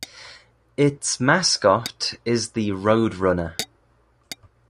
Its mascot is the roadrunner.